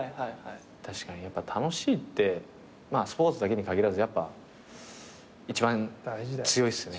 確かにやっぱ楽しいってスポーツだけに限らず一番強いっすよね。